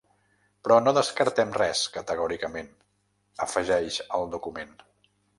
Però no descartem res categòricament, afegeix el document.